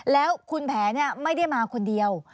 แล้วคุณแผลไม่ได้มาคนเดียว